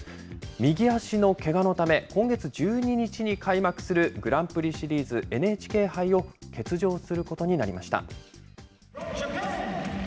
右足のけがのため、今月１２日に開幕するグランプリシリーズＮＨＫ杯を欠場することになりました。